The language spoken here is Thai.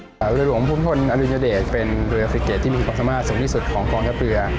จังหวังว่าหลวงภูมิทนทนอรุณเยอเดชเป็นเรือฝรกิจที่มีความสามารถสูงที่สุดของกองทัพเรือ